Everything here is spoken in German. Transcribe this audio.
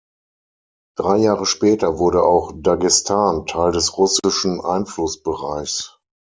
Drei Jahre später wurde auch Dagestan Teil des russischen Einflussbereichs.